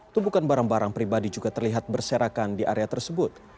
tumpukan barang barang pribadi juga terlihat berserakan di area tersebut